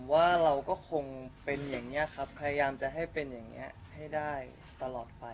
ว่าเราก็คงเป็นอย่างนี้ครับพยายามจะให้เป็นอย่างนี้ให้ได้ตลอดไป